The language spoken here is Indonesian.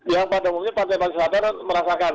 yang pada umumnya pantai pantai selatan merasakan